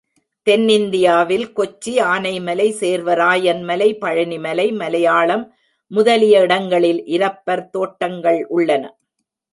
தென்னிந்தியாவில் கொச்சி, ஆனைமலை, சேர்வராயன் மலை, பழனிமலை, மலையாளம் முதலிய இடங்களில் இரப்பர் தோட்டங்கள் உள்ளன.